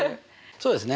そうですね。